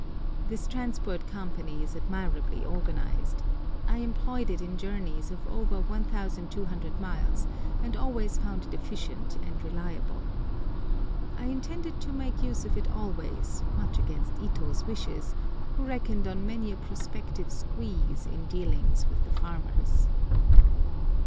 [This Transport Company is admirably organised. I employed it in journeys of over 1200 miles, and always found it efficient and reliable.] I intend to make use of it always, much against Ito's wishes, who reckoned on many a prospective "squeeze" in dealings with the farmers.